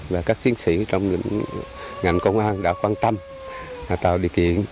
và các chiến sĩ trong ngành công an đã quan tâm tạo điều kiện